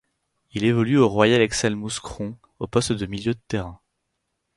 Il évolue au Royal Excel Mouscron au poste de Milieu de terrain.